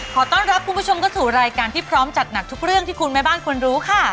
ขอต้อนรับคุณผู้ชมเข้าสู่รายการที่พร้อมจัดหนักทุกเรื่องที่คุณแม่บ้านควรรู้ค่ะ